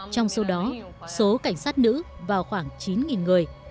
trong số đó số cảnh sát nữ vào khoảng chín người